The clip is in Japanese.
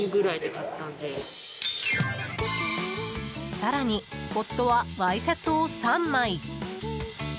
更に、夫はワイシャツを３枚。